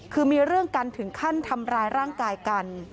คือมีเรื่องกันถึงขั้นทำร้ายร่างกายกัน